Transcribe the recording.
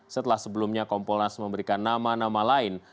setelah sebelumnya kompolnas memberikan nama nama lain